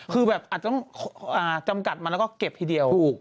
คือแบบอาจจะต้องจำกัดมาแล้วก็เก็บทีเดียวถูก